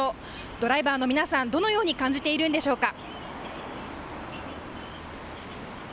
ドライバーの皆さん、どのように感じているんでしょうか。